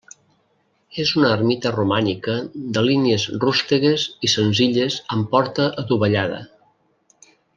És una ermita romànica de línies rústegues i senzilles amb porta adovellada.